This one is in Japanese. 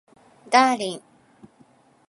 ダーリン